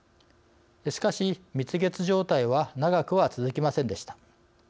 しかし蜜月状態は長くは続きませんでした。